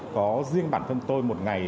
có riêng bản thân tôi một ngày